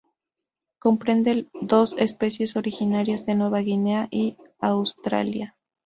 Comprende dos especies originarias de Nueva Guinea y Australia.